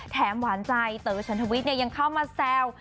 แถมหวานใจเต๋อฉันทวิทย์เนี่ยยังเข้ามาแซว